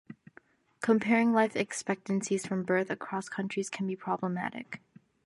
Comparing life expectancies from birth across countries can be problematic.